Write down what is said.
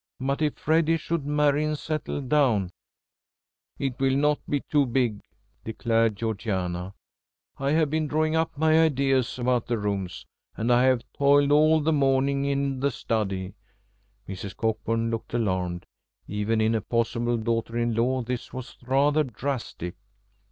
"But if Freddy should marry and settle down " "It will not be too big," declared Georgiana. "I have been drawing up my ideas about the rooms. And I have toiled all the morning in the study." Mrs. Cockburn looked alarmed. Even in a possible daughter in law this was rather drastic.